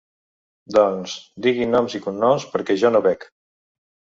Doncs, digui noms i cognoms perquè jo no bec.